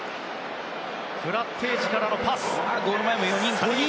フラッテージからのパス。